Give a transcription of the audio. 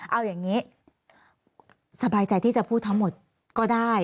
เอาอย่างนี้สบายใจที่จะพูดทั้งหมดก็ได้